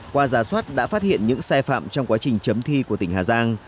qua giả soát đã phát hiện những sai phạm trong quá trình chấm thi của tỉnh hà giang